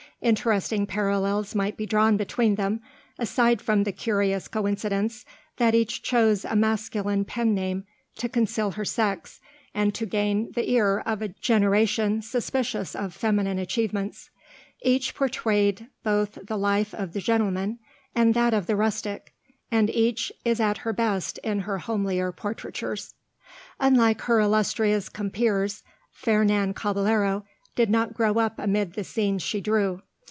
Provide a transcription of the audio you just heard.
Interesting parallels might be drawn between them, aside from the curious coincidence that each chose a masculine pen name to conceal her sex, and to gain the ear of a generation suspicious of feminine achievements. Each portrayed both the life of the gentleman and that of the rustic, and each is at her best in her homelier portraitures. Unlike her illustrious compeers, Fernan Caballero did not grow up amid the scenes she drew.